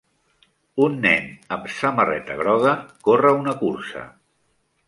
Un nen amb samarreta groga corre una cursa.